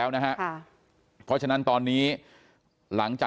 ก็คือเป็นการสร้างภูมิต้านทานหมู่ทั่วโลกด้วยค่ะ